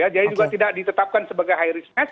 jadi juga tidak ditetapkan sebagai high risk match